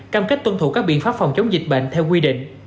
cam kết tuân thủ các biện pháp phòng chống dịch bệnh theo quy định